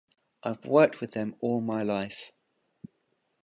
I've worked with them all my life.